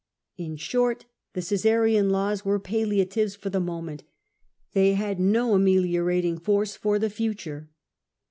In short, the Caesarian laws were palliatives for the moment 5 they had no ameliorating force for the future.